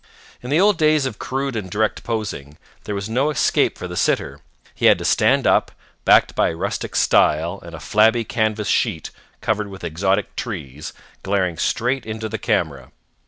In the old days of crude and direct posing, there was no escape for the sitter. He had to stand up, backed by a rustic stile and a flabby canvas sheet covered with exotic trees, glaring straight into the camera.